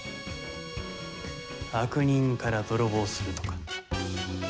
悪人から泥棒するとか。